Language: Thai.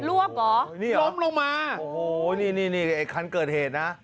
รวบเหรอล้มลงมาโอ้โฮนี่ไอ้คันเกิดเหตุนะ